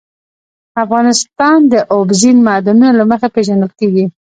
افغانستان د اوبزین معدنونه له مخې پېژندل کېږي.